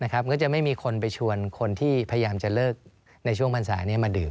ก็จะไม่มีคนไปชวนคนที่พยายามจะเลิกในช่วงพรรษานี้มาดื่ม